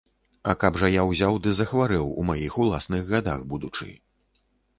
А каб жа я ўзяў ды захварэў, у маіх уласных гадах будучы?